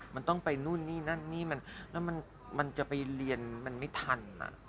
มันต้องไปนู่นนี่นั่นนี่มันแล้วมันจะไปเรียนมันไม่ทัน